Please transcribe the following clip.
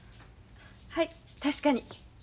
はい確かに。